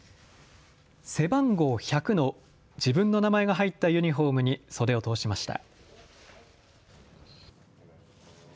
背番号１００の自分の名前が入ったユニフォームに袖を通しました。